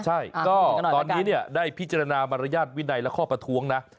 ใช่ก็ตอนนี้ได้พิจารณามารยาทวินัยและข้อประท้วงนะ